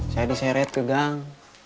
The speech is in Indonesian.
saya diseret ke gang